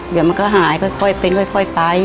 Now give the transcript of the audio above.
เดี๋ยวมันก็หายค่อยเป็นค่อยไป